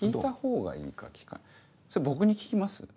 それ僕に聞きます？